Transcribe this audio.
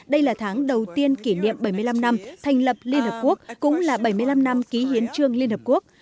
đây là tháng đầu tiên kỷ niệm bảy mươi năm năm thành lập liên hợp quốc cũng là bảy mươi năm năm ký hiến trương liên hợp quốc